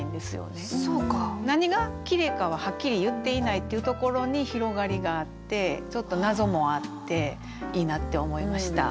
何が綺麗かははっきり言っていないというところに広がりがあってちょっと謎もあっていいなって思いました。